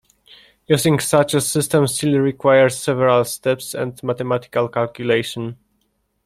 Using such a system still required several steps and mathematical calculation.